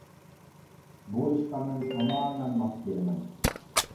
بۇ ئىشقا مەن تامامەن ماس كېلىمەن.